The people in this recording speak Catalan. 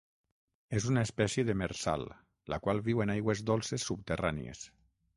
És una espècie demersal, la qual viu en aigües dolces subterrànies.